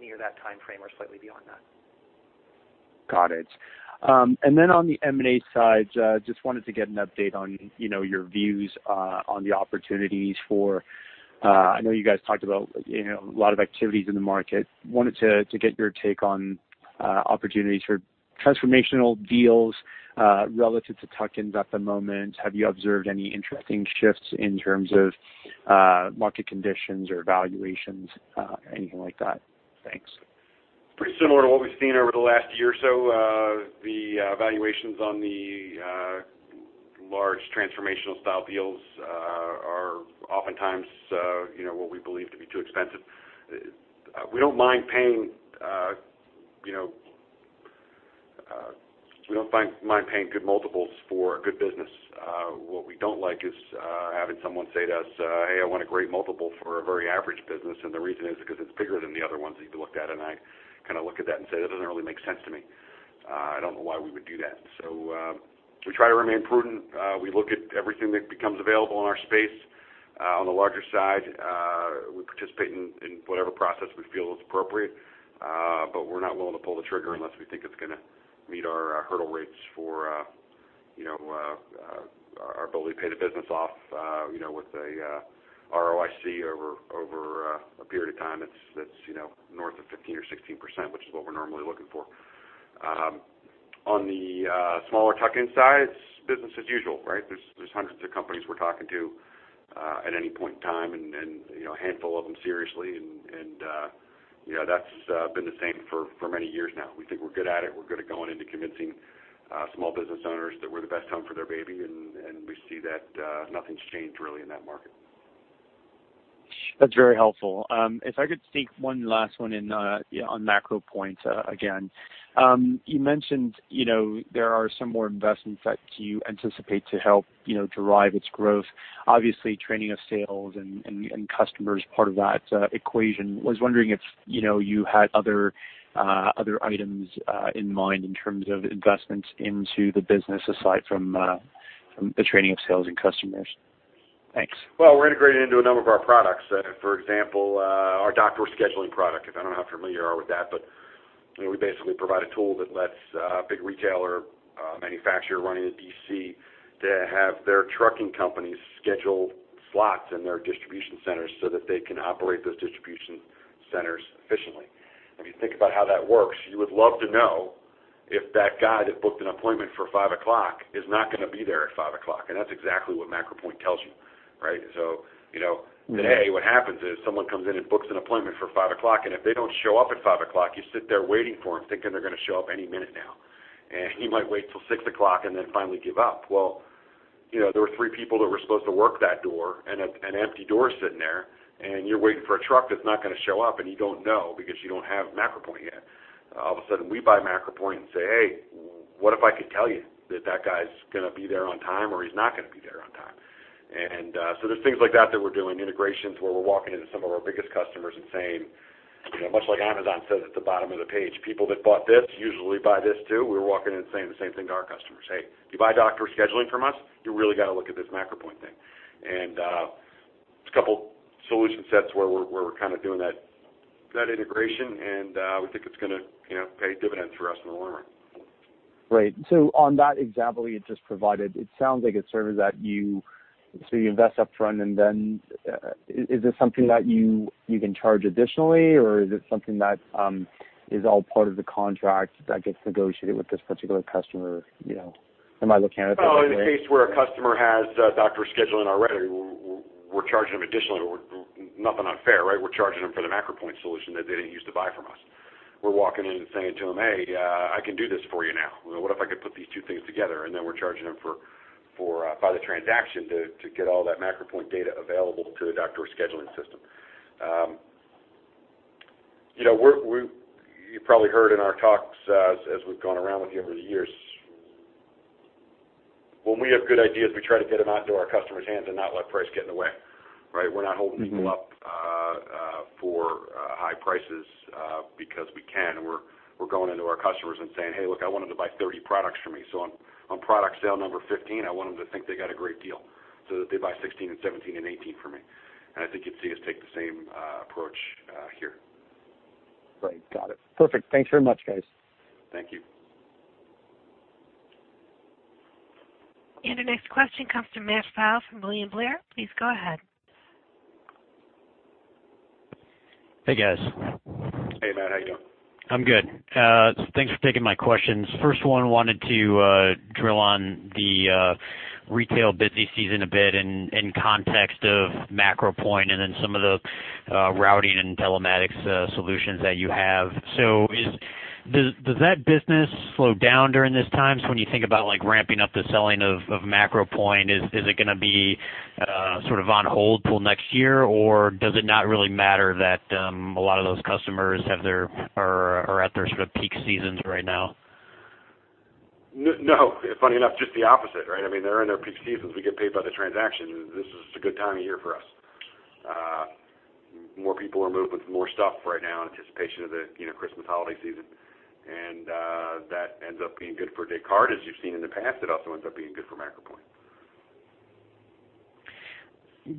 near that timeframe or slightly beyond that. Got it. On the M&A side, just wanted to get an update on your views on the opportunities. I know you guys talked about a lot of activities in the market. I wanted to get your take on opportunities for transformational deals relative to tuck-ins at the moment. Have you observed any interesting shifts in terms of market conditions or valuations, anything like that? Thanks. Pretty similar to what we've seen over the last one year or so. The valuations on the large transformational style deals are oftentimes what we believe to be too expensive. We don't mind paying good multiples for a good business. What we don't like is having someone say to us, "Hey, I want a great multiple for a very average business," the reason is because it's bigger than the other ones that you've looked at, I look at that and say, "That doesn't really make sense to me." I don't know why we would do that. We try to remain prudent. We look at everything that becomes available in our space. On the larger side, we participate in whatever process we feel is appropriate. We're not willing to pull the trigger unless we think it's going to meet our hurdle rates for our ability to pay the business off with a ROIC over a period of time that's north of 15% or 16%, which is what we're normally looking for. On the smaller tuck-in size, business as usual, right? There's hundreds of companies we're talking to at any point in time, and a handful of them seriously, and that's been the same for many years now. We think we're good at it. We're good at going into convincing small business owners that we're the best home for their baby, and we see that nothing's changed really in that market. That's very helpful. If I could sneak one last one in on MacroPoint, again. You mentioned there are some more investments that you anticipate to help derive its growth. Obviously, training of sales and customers, part of that equation. Was wondering if you had other items in mind in terms of investments into the business aside from the training of sales and customers. Thanks. We're integrating into a number of our products. For example, our dock scheduling product. I don't know how familiar you are with that, but we basically provide a tool that lets a big retailer manufacturer running a DC to have their trucking companies schedule slots in their distribution centers so that they can operate those distribution centers efficiently. If you think about how that works, you would love to know if that guy that booked an appointment for 5:00 is not going to be there at 5:00. That's exactly what MacroPoint tells you, right? Today, what happens is someone comes in and books an appointment for 5:00, and if they don't show up at 5:00, you sit there waiting for them, thinking they're going to show up any minute now. You might wait till 6:00 and then finally give up. There were three people that were supposed to work that door, and an empty door is sitting there, and you're waiting for a truck that's not going to show up, and you don't know because you don't have MacroPoint yet. All of a sudden, we buy MacroPoint and say, "Hey, what if I could tell you that that guy's going to be there on time, or he's not going to be there on time?" There's things like that that we're doing, integrations where we're walking into some of our biggest customers and saying, much like Amazon says at the bottom of the page, "People that bought this usually buy this, too." We're walking in saying the same thing to our customers. Hey, if you buy dock scheduling from us, you really got to look at this MacroPoint thing. There's a couple solution sets where we're kind of doing that integration, and we think it's going to pay dividends for us in the long run. Right. On that example you just provided, it sounds like a service that you invest up front, and then is this something that you can charge additionally, or is it something that is all part of the contract that gets negotiated with this particular customer? Am I looking at it the right way? Well, in the case where a customer has dock scheduling already, we're charging them additionally. Nothing unfair, right? We're charging them for the MacroPoint solution that they didn't used to buy from us. We're walking in and saying to them, "Hey, I can do this for you now. What if I could put these two things together?" Then we're charging them by the transaction to get all that MacroPoint data available to the dock scheduling system. You probably heard in our talks as we've gone around with you over the years, when we have good ideas, we try to get them out into our customers' hands and not let price get in the way, right? We're not holding people up for high prices because we can. We're going into our customers and saying, "Hey, look, I want them to buy 30 products from me. On product sale number 15, I want them to think they got a great deal so that they buy 16 and 17 and 18 from me." I think you'd see us take the same approach here. Right. Got it. Perfect. Thanks very much, guys. Thank you. The next question comes from Matthew Pfau from William Blair. Please go ahead. Hey, guys. Hey, Matt, how you doing? I'm good. Thanks for taking my questions. First one, wanted to drill on the retail busy season a bit in context of MacroPoint and then some of the routing and telematics solutions that you have. Does that business slow down during these times when you think about ramping up the selling of MacroPoint? Is it going to be sort of on hold till next year, or does it not really matter that a lot of those customers are at their sort of peak seasons right now? No. Funny enough, just the opposite, right? They're in their peak seasons. We get paid by the transaction. This is a good time of year for us. More people are moving more stuff right now in anticipation of the Christmas holiday season. That ends up being good for Descartes, as you've seen in the past. It also ends up being good for MacroPoint.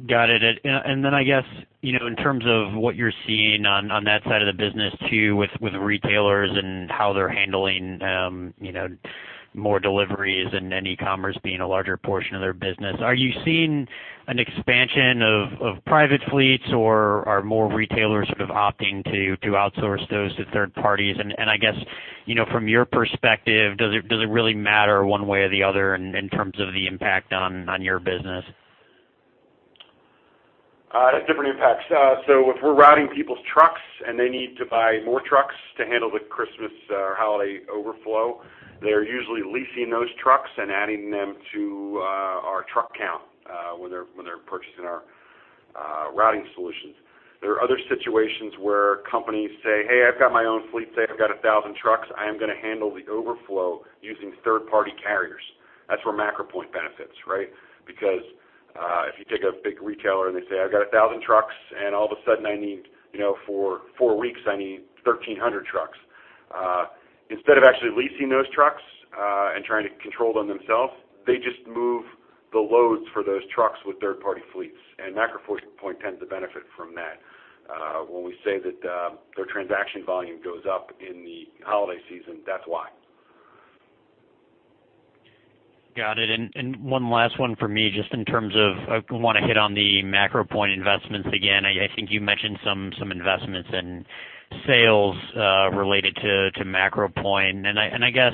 Got it. Then, I guess, in terms of what you're seeing on that side of the business too, with retailers and how they're handling more deliveries and then e-commerce being a larger portion of their business, are you seeing an expansion of private fleets, or are more retailers sort of opting to outsource those to third parties? I guess, from your perspective, does it really matter one way or the other in terms of the impact on your business? It has different impacts. If we're routing people's trucks and they need to buy more trucks to handle the Christmas holiday overflow, they're usually leasing those trucks and adding them to our truck count when they're purchasing our routing solutions. There are other situations where companies say, "Hey, I've got my own fleet today. I've got 1,000 trucks. I am going to handle the overflow using third-party carriers." That's where MacroPoint benefits, right? If you take a big retailer, and they say, "I've got 1,000 trucks, and all of a sudden, for four weeks, I need 1,300 trucks." Instead of actually leasing those trucks and trying to control them themselves, they just move the loads for those trucks with third-party fleets, and MacroPoint tends to benefit from that. When we say that their transaction volume goes up in the holiday season, that's why. Got it. One last one from me, just in terms of, I want to hit on the MacroPoint investments again. I think you mentioned some investments in sales related to MacroPoint. I guess,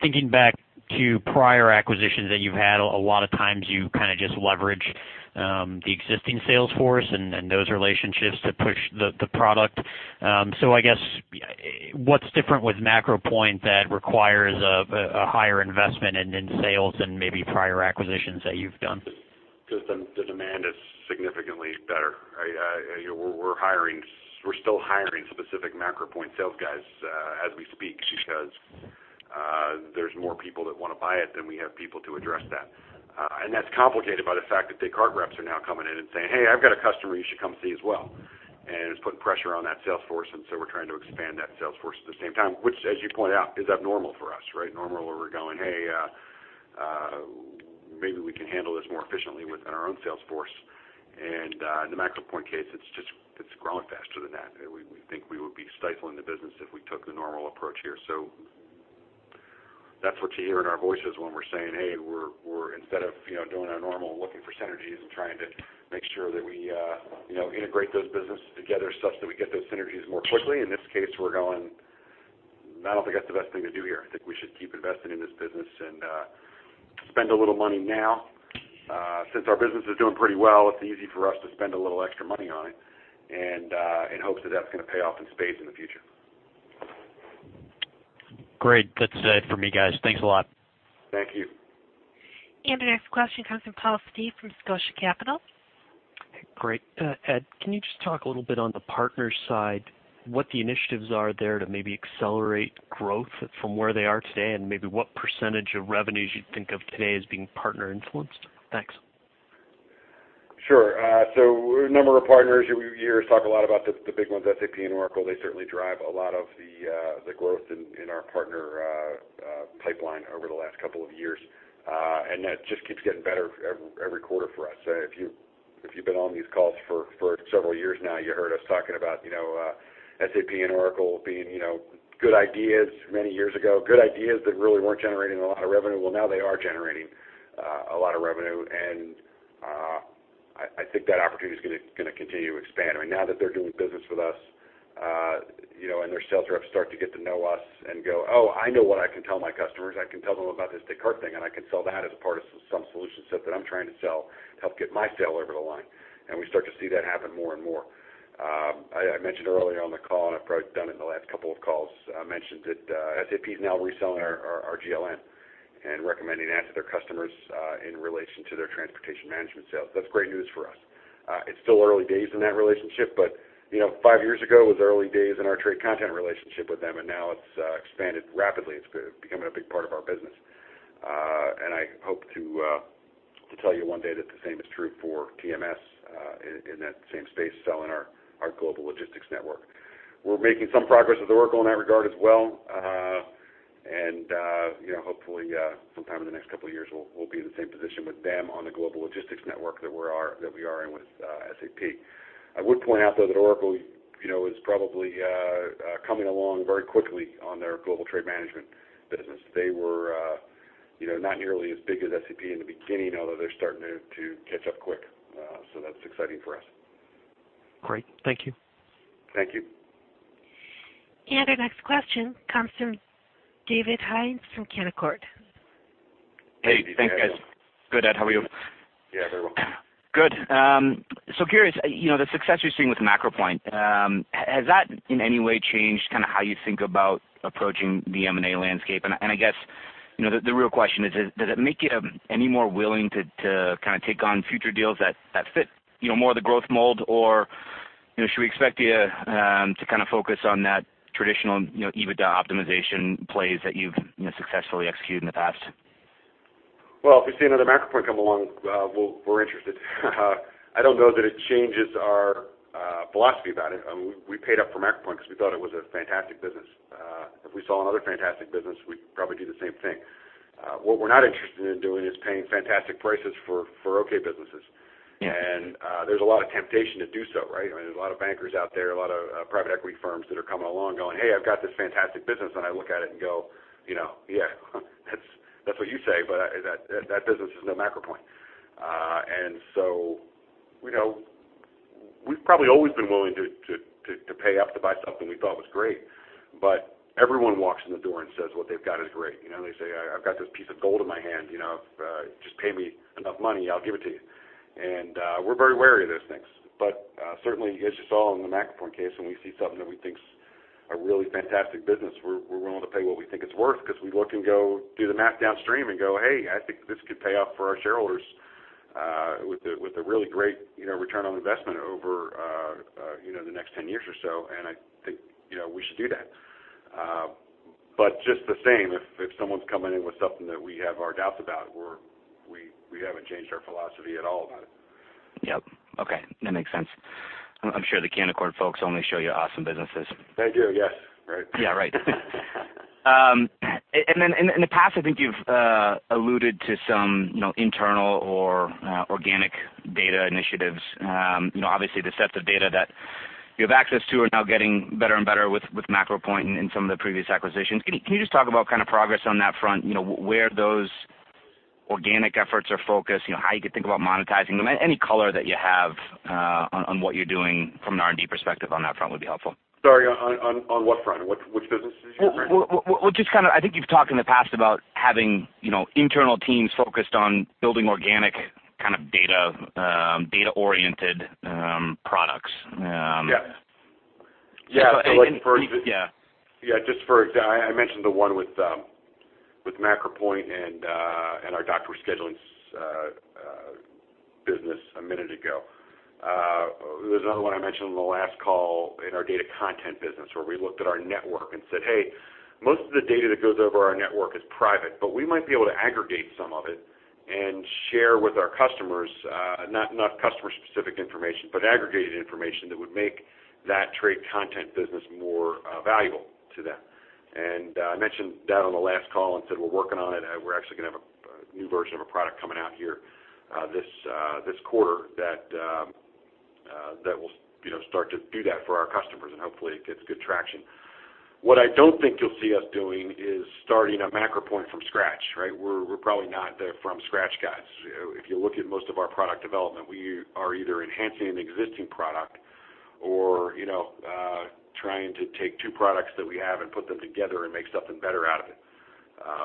thinking back to prior acquisitions that you've had, a lot of times you kind of just leverage the existing sales force and those relationships to push the product. I guess, what's different with MacroPoint that requires a higher investment in sales than maybe prior acquisitions that you've done? The demand is significantly better. We're still hiring specific MacroPoint sales guys as we speak because there's more people that want to buy it than we have people to address that. That's complicated by the fact that Descartes reps are now coming in and saying, "Hey, I've got a customer you should come see as well." It's putting pressure on that sales force, and we're trying to expand that sales force at the same time, which, as you point out, is abnormal for us, right? Normal, where we're going, "Hey, maybe we can handle this more efficiently within our own sales force." In the MacroPoint case, it's grown faster than that. We think we would be stifling the business if we took the normal approach here. That's what you hear in our voices when we're saying, hey, instead of doing our normal looking for synergies and trying to make sure that we integrate those businesses together such that we get those synergies more quickly, in this case, we're going, "I don't think that's the best thing to do here. I think we should keep investing in this business and spend a little money now. Since our business is doing pretty well, it's easy for us to spend a little extra money on it in hopes that that's going to pay off in spades in the future. Great. That's it for me, guys. Thanks a lot. Thank you. Our next question comes from Paul Steep from Scotia Capital. Great. Ed, can you just talk a little bit on the partner side, what the initiatives are there to maybe accelerate growth from where they are today, and maybe what % of revenues you'd think of today as being partner influenced? Thanks. Sure. A number of partners, you talk a lot about the big ones, SAP and Oracle. They certainly drive a lot of the growth in our partner pipeline over the last couple of years. That just keeps getting better every quarter for us. If you've been on these calls for several years now, you heard us talking about SAP and Oracle being good ideas many years ago, good ideas that really weren't generating a lot of revenue. Now they are generating a lot of revenue, and I think that opportunity is going to continue to expand. Now that they're doing business with us, and their sales reps start to get to know us and go, "Oh, I know what I can tell my customers. I can tell them about this Descartes thing, and I can sell that as a part of some solution set that I'm trying to sell to help get my sale over the line." We start to see that happen more and more. I mentioned earlier on the call, and I've probably done it in the last couple of calls, mentioned that SAP is now reselling our GLN and recommending that to their customers in relation to their transportation management sales. That's great news for us. It's still early days in that relationship, but five years ago, it was early days in our trade content relationship with them, and now it's expanded rapidly. It's becoming a big part of our business. I hope to tell you one day that the same is true for TMS in that same space, selling our Global Logistics Network. We're making some progress with Oracle in that regard as well. Hopefully, sometime in the next couple of years, we'll be in the same position with them on the Global Logistics Network that we are in with SAP. I would point out, though, that Oracle is probably coming along very quickly on their global trade management business. They were not nearly as big as SAP in the beginning, although they're starting to catch up quick. That's exciting for us. Great. Thank you. Thank you. Our next question comes from David Hynes from Canaccord. Hey, thanks, guys. Good, Ed, how are you? Yeah, very well. Good. Curious, the success you're seeing with MacroPoint, has that in any way changed how you think about approaching the M&A landscape? I guess, the real question is, does it make you any more willing to take on future deals that fit more the growth mold or should we expect you to focus on that traditional EBITDA optimization plays that you've successfully executed in the past? Well, if we see another MacroPoint come along, we're interested. I don't know that it changes our philosophy about it. We paid up for MacroPoint because we thought it was a fantastic business. If we saw another fantastic business, we'd probably do the same thing. What we're not interested in doing is paying fantastic prices for okay businesses. Yeah. There's a lot of temptation to do so, right? There's a lot of bankers out there, a lot of private equity firms that are coming along going, "Hey, I've got this fantastic business." I look at it and go, "Yeah. That's what you say, but that business is no MacroPoint." We've probably always been willing to pay up to buy something we thought was great. Everyone walks in the door and says what they've got is great. They say, "I've got this piece of gold in my hand. Just pay me enough money, I'll give it to you." We're very wary of those things. Certainly as you saw in the MacroPoint case, when we see something that we think is a really fantastic business, we're willing to pay what we think it's worth because we look and go do the math downstream and go, "Hey, I think this could pay off for our shareholders with a really great return on investment over the next 10 years or so." I think we should do that. Just the same, if someone's coming in with something that we have our doubts about, we haven't changed our philosophy at all about it. Yep. Okay. That makes sense. I'm sure the Canaccord folks only show you awesome businesses. They do, yes. Right. Yeah, right. Then in the past, I think you've alluded to some internal or organic data initiatives. Obviously the sets of data that you have access to are now getting better and better with MacroPoint and in some of the previous acquisitions. Can you just talk about progress on that front? Where those organic efforts are focused, how you could think about monetizing them, any color that you have on what you're doing from an R&D perspective on that front would be helpful. Sorry, on what front? Which businesses are you referring to? I think you've talked in the past about having internal teams focused on building organic kind of data-oriented products. Yeah. Yeah. Yeah. Just for example, I mentioned the one with MacroPoint and our dock scheduling business a minute ago. There was another one I mentioned on the last call in our data content business where we looked at our network and said, "Hey, most of the data that goes over our network is private, but we might be able to aggregate some of it and share with our customers, not customer-specific information, but aggregated information that would make that trade content business more valuable to them." I mentioned that on the last call and said we're working on it. We're actually going to have a new version of a product coming out here this quarter that will start to do that for our customers and hopefully it gets good traction. What I don't think you'll see us doing is starting a MacroPoint from scratch, right? We're probably not the from-scratch guys. If you look at most of our product development, we are either enhancing an existing product or trying to take two products that we have and put them together and make something better out of it.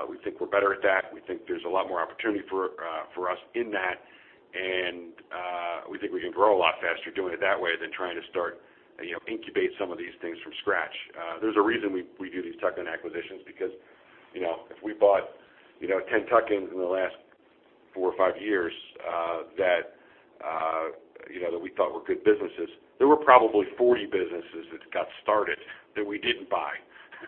We think we're better at that. We think there's a lot more opportunity for us in that. We think we can grow a lot faster doing it that way than trying to start incubate some of these things from scratch. There's a reason we do these tuck-in acquisitions because if we bought 10 tuck-ins in the last four or five years that we thought were good businesses, there were probably 40 businesses that got started that we didn't buy.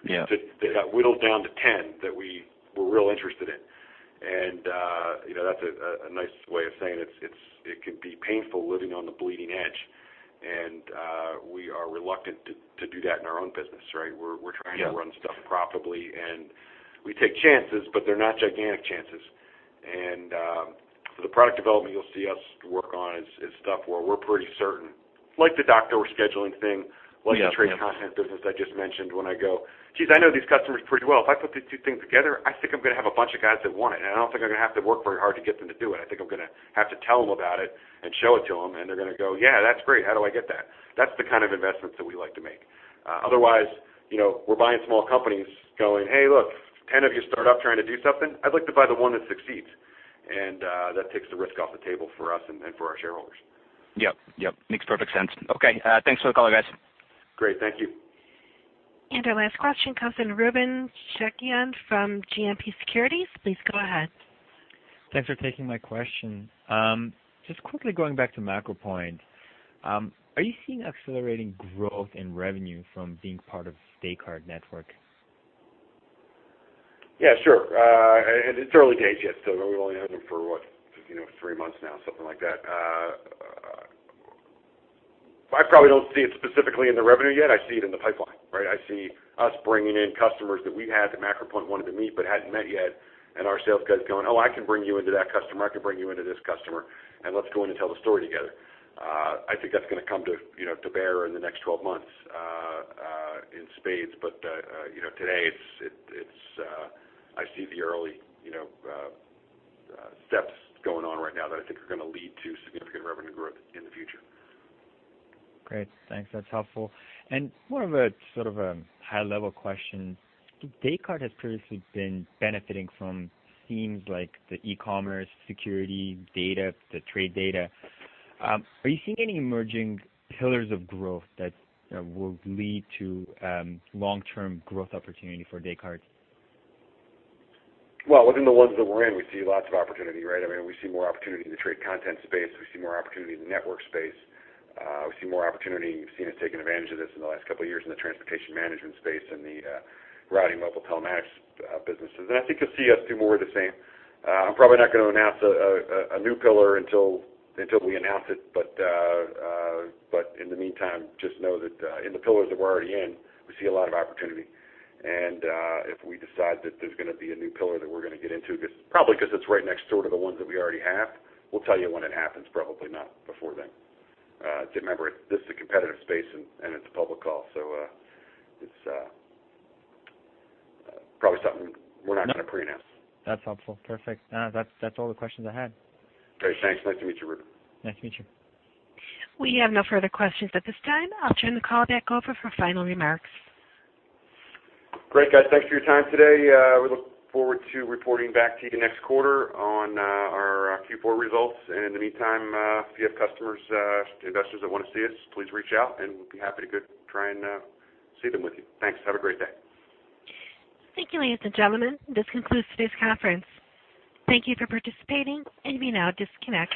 Yeah. That got whittled down to 10 that we were real interested in. That's a nice way of saying it could be painful living on the bleeding edge, and we are reluctant to do that in our own business, right? Yeah. We're trying to run stuff profitably, we take chances, but they're not gigantic chances. For the product development, you'll see us work on is stuff where we're pretty certain, like the dock scheduling thing. Yeah like the trade content business I just mentioned when I go, "Geez, I know these customers pretty well. If I put these two things together, I think I'm going to have a bunch of guys that want it, I don't think I'm going to have to work very hard to get them to do it. I think I'm going to have to tell them about it and show it to them, and they're going to go, 'Yeah, that's great. How do I get that?'" That's the kind of investments that we like to make. Otherwise, we're buying small companies going, "Hey, look, 10 of you start up trying to do something. I'd like to buy the one that succeeds." That takes the risk off the table for us and for our shareholders. Yep. Makes perfect sense. Okay. Thanks for the call, guys. Great. Thank you. Our last question comes in. Ruben Sahakyan from GMP Securities. Please go ahead. Thanks for taking my question. Just quickly going back to MacroPoint. Are you seeing accelerating growth in revenue from being part of Descartes network? Yeah, sure. It's early days yet, so we've only owned them for, what, three months now, something like that. I probably don't see it specifically in the revenue yet. I see it in the pipeline, right? I see us bringing in customers that we had that MacroPoint wanted to meet but hadn't met yet, and our sales guys going, "Oh, I can bring you into that customer. I can bring you into this customer, and let's go in and tell the story together." I think that's going to come to bear in the next 12 months in spades. Today I see the early steps going on right now that I think are going to lead to significant revenue growth in the future. Great. Thanks. That's helpful. More of a sort of a high-level question. Descartes has previously been benefiting from themes like the e-commerce, security, data, the trade data. Are you seeing any emerging pillars of growth that will lead to long-term growth opportunity for Descartes? Well, within the ones that we're in, we see lots of opportunity, right? We see more opportunity in the trade content space. We see more opportunity in the network space. We see more opportunity, you've seen us taking advantage of this in the last couple of years in the transportation management space and the routing mobile telematics businesses. I think you'll see us do more of the same. I'm probably not going to announce a new pillar until we announce it. In the meantime, just know that in the pillars that we're already in, we see a lot of opportunity. If we decide that there's going to be a new pillar that we're going to get into, probably because it's right next door to the ones that we already have, we'll tell you when it happens, probably not before then. Remember, this is a competitive space, and it's a public call. It's probably something we're not going to pre-announce. That's helpful. Perfect. That's all the questions I had. Great. Thanks. Nice to meet you, Ruben. Nice to meet you. We have no further questions at this time. I'll turn the call back over for final remarks. Great, guys. Thanks for your time today. We look forward to reporting back to you next quarter on our Q4 results. In the meantime, if you have customers, investors that want to see us, please reach out, and we'll be happy to try and see them with you. Thanks. Have a great day. Thank you, ladies and gentlemen. This concludes today's conference. Thank you for participating. You may now disconnect.